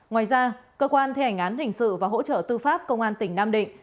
ngoài ra cơ quan thi hành án hình sự và hỗ trợ tư pháp công an tỉnh nam định